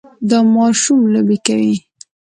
دا ماشوم لوبې کوي.